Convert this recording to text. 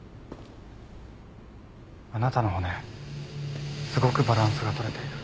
あなたの骨すごくバランスが取れている。